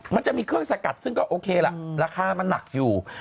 มันจะมีเครื่องสกัดซึ่งก็โอเคล่ะราคามันหนักอยู่